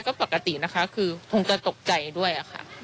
มาคนเดียว